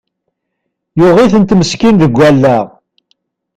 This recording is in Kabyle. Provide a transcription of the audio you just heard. Yuɣ-itent meskin deg allaɣ!